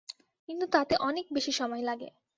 কিন্তু তাতে অনেক বেশি সময় লাগে।